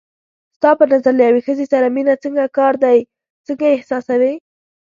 ستا په نظر له یوې ښځې سره مینه څنګه کار دی، څنګه یې احساسوې؟